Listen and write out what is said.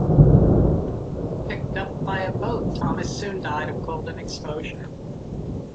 Picked up by a boat, Thomas soon died of cold and exposure.